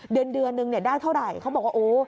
เดือนนึงได้เท่าไหร่เขาบอกว่าโอ้โฮ